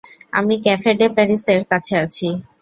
আমি cafe day প্যারিসের কাছে আছি।